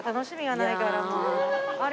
あれ？